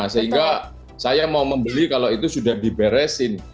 sehingga saya mau membeli kalau itu sudah diberesin